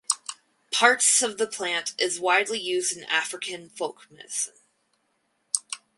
Parts of the plant is widely used in African folk medicine.